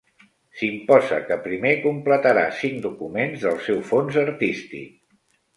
S'imposa que primer completarà cinc documents del seu fons artístic.